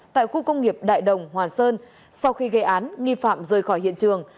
tại khu công nghiệp đại đồng hòa sơn sau khi gây án nghi phạm rời khỏi hiện trường